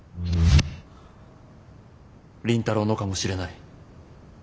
倫太郎のかもしれない。